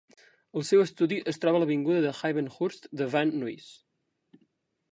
El seu estudi es troba a l'avinguda Hayvenhurst de Van Nuys.